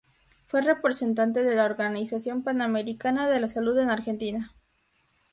Fue representante de la Organización Panamericana de la Salud en Argentina.